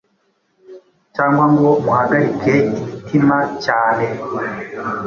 cyangwa ngo muhagarike imitima cyane,